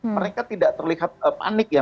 mereka tidak terlihat panik ya